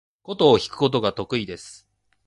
箏を弾くことが得意です。